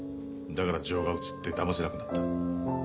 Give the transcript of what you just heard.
だから情が移ってだませなくなった。